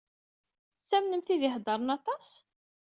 Tettamnem tid i iheddṛen aṭas?